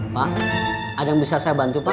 pak ada yang bisa saya bantu pak